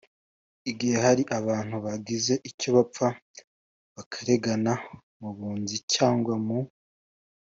Igihe hari abantu bagize icyo bapfa bakaregana mu bunzi cyangwa mu